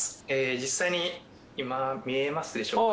実際に今見えますでしょうか。